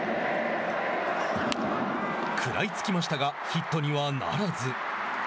食らいつきましたがヒットにはならず。